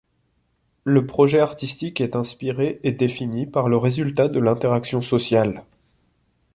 Le projet artistique est inspiré et défini par le résultat de l'interaction sociale.